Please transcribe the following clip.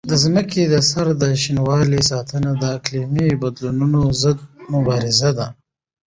د ځمکې د سر د شینوالي ساتنه د اقلیمي بدلونونو ضد مبارزه ده.